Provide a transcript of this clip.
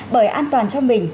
bởi an toàn cho mình